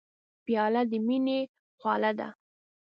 پیاله د مینې خواله ده.